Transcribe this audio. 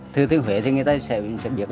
thứ thứ huế thì người ta sẽ biết